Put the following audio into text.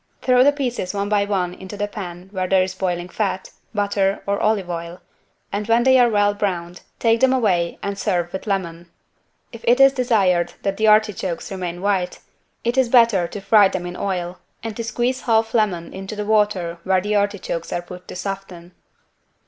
Throw the pieces one by one into the pan where there is boiling fat, butter or olive oil, and when they are well browned, take them away and serve with lemon. If it is desired that the artichokes remain white, it is better to fry them in oil and to squeeze half lemon into the water where the artichokes are put to soften.